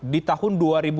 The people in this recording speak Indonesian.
di tahun dua ribu dua puluh